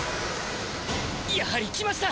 やはり来ました！